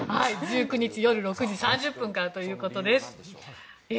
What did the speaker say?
１９日、夜６時３０分からということです。